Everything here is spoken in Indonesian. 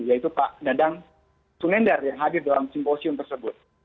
yaitu pak dadang sunendar yang hadir dalam simposium tersebut